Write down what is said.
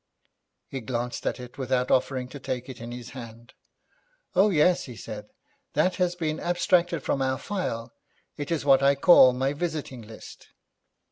He glanced at it without offering to take it in his hand. 'Oh, yes,' he said, 'that has been abstracted from our file. It is what I call my visiting list.'